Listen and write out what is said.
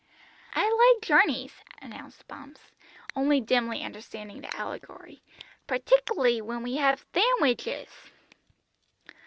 "I like journeys," announced Bumps, only dimly understanding the allegory, "partic'ly when we have thandwiches."